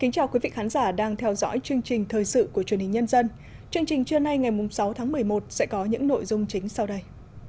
chương trình trưa nay ngày sáu tháng một mươi một sẽ có những nội dung chính sau đây